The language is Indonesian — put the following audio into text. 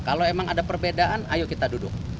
kalau emang ada perbedaan ayo kita duduk